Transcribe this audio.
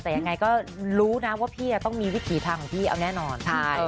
แต่ยังไงก็รู้นะว่าพี่ต้องมีวิถีทางของพี่เอาแน่นอน